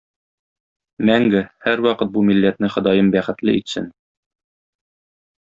Мәңге, һәрвакыт бу милләтне Ходаем бәхетле итсен.